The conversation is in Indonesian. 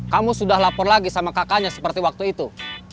kamu sudah lapor lagi sama kakaknya seperti waktu itu